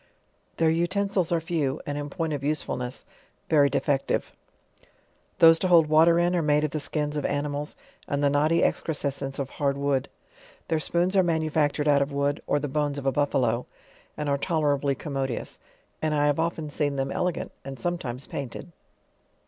Their utensils are few, lin point of usefulnesi rerjr dt^ 46 JOURNAL OF fective; those to hold water in, are made of the skins of ani * mals and the knotty excrescences of hard wood; their spoons arc manufactured out of wood, or tho bones of a buffalo, and are tolerably commodious, and I have often seen them ele gant, and sometimes painted.